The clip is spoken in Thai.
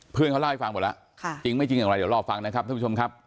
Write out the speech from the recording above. เพื่อนเขาเล่าให้ฟังหมดแล้วจริงไม่จริงอย่างไรเดี๋ยวรอฟังนะครับท่านผู้ชมครับ